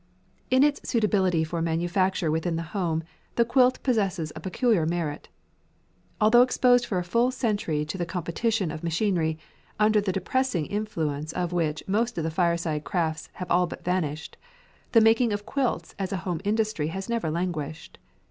In its suitability for manufacture within the home, the quilt possesses a peculiar merit. Although exposed for a full century to the competition of machinery, under the depressing influence of which most of the fireside crafts have all but vanished, the making of quilts as a home industry has never languished.